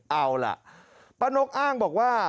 เอาล่ะป้านกอ้างบอกว่า